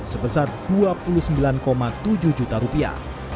sebesar rp dua puluh sembilan tujuh juta